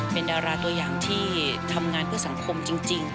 เป็นดาราตัวอย่างที่ทำงานเพื่อสังคมจริง